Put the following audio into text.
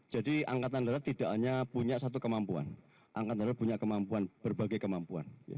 jadi angkatan darat tidak hanya punya satu kemampuan angkatan darat punya kemampuan berbagai kemampuan